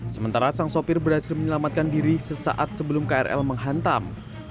sementara sang sopir berhasil menyelamatkan diri sesaat sebelum krl menghantam